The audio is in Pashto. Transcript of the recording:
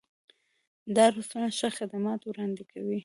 دا رستورانت ښه خدمات وړاندې کوي.